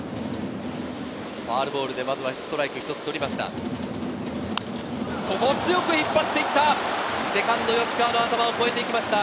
ファウルボールでまずストライクを一つ取りました。